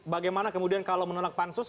bagaimana kemudian kalau menolak pansus